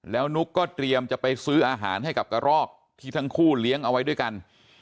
แล้วนุ๊กก็เตรียมจะไปซื้ออาหารให้กับกระรอกที่ทั้งคู่เลี้ยงเอาไว้ด้วยกัน